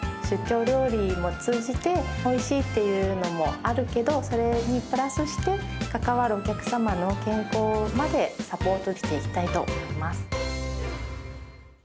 出張料理を通じて、おいしいっていうのもあるけど、それにプラスして、関わるお客様の健康までサポートしていきたいと思います。